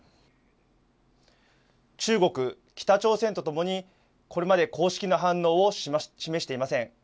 中国、北朝鮮とともにこれまで公式な反応を示していません。